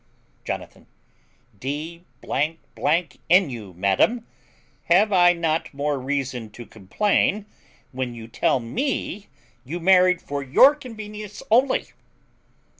Jonathan. D n you, madam, have I not more reason to complain when you tell me you married for your convenience only?